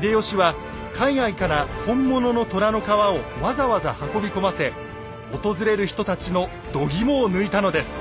秀吉は海外から本物の虎の皮をわざわざ運び込ませ訪れる人たちのどぎもを抜いたのです。